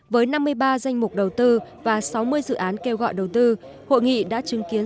với năm mươi ba danh mục đầu tư và sáu mươi dự án kêu gọi đầu tư hội nghị đã chứng kiến